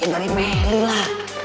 ya dari meli lah